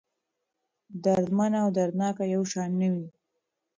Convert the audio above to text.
دردمنه او دردناکه يو شان نه دي.